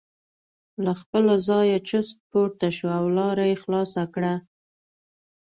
له خپله ځایه چست پورته شو او لاره یې خلاصه کړه.